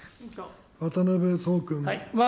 渡辺創君。